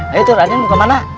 ayo tuh raden buka mana